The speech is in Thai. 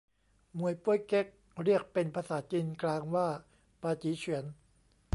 มวยโป๊ยเก๊ก เรียกเป็นภาษาจีนกลางว่าปาจี๋เฉวียน